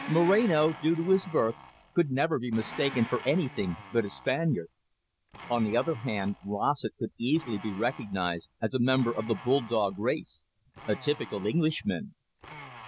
Moreno, due to his birth, could never be mistaken for anything but a Spaniard. On the other hand, Rossett could be easily recognised as a member of the bulldog race, a typical Englishman.